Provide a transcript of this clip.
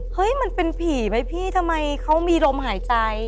มันเป็นผีไหมพี่ทำไมเขามีลมหายใจ